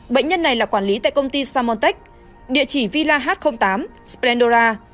bệnh nhân này là quản lý tại công ty samontech địa chỉ villa h tám splendora